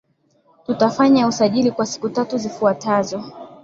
Tutafanya usajili kwa siku tatu zifuatazo